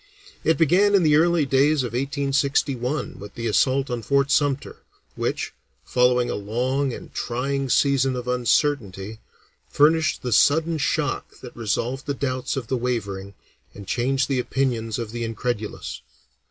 It began in the early days of 1861 with the assault on Fort Sumter, which, following a long and trying season of uncertainty, furnished the sudden shock that resolved the doubts of the wavering and changed the opinions of the incredulous.